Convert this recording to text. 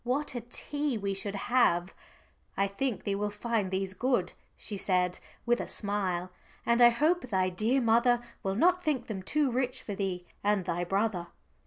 What a tea we should have! "I think thee will find these good," she said with a smile, "and I hope thy dear mother will not think them too rich for thee and thy brother."